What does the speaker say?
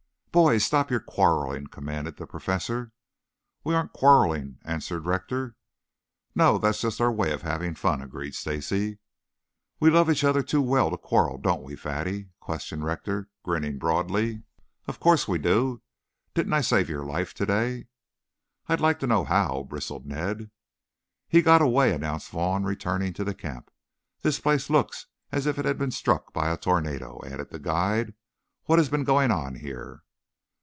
"Boys, stop your quarreling," commanded the Professor. "We aren't quarreling," answered Rector. "No, that's just our way of having fun," agreed Stacy. "We love each other too well to quarrel, don't we, Fatty?" questioned Rector, grinning broadly. "Of course we do. Didn't I save your life today?" "I'd like to know how," bristled Ned. "He got away," announced Vaughn, returning to camp. "This place looks as if it had been struck by a tornado," added the guide. "What has been going on here?"